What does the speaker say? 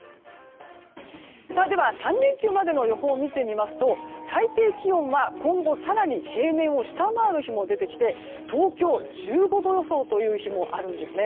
では、３連休までの予報を見てみますと最低気温は今後更に平年を下回る日も出てきて東京１５度予想という日もあるんです。